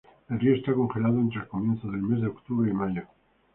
El río está congelado entre el comienzo del mes de octubre y mayo.